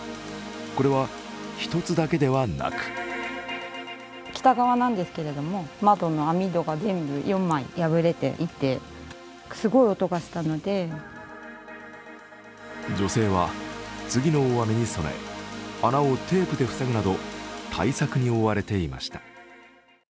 これは１つだけではなく女性は、次の大雨に備え穴をテープで塞ぐなど対策に追われていました。